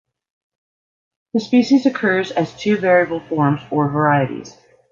The species occurs as two variable forms or varieties.